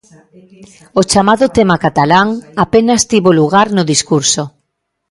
O chamado 'tema catalán' apenas tivo lugar no discurso.